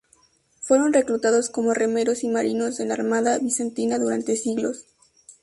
Fueron reclutados como remeros y marinos en la armada bizantina durante siglos.